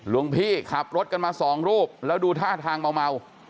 หลวงพี่ขับรถกันมาสองรูปแล้วดูท่าทางเมา